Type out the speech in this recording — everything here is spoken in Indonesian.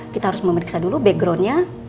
kita harus memeriksa dulu backgroundnya